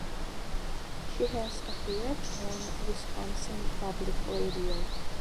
She has appeared on Wisconsin Public Radio.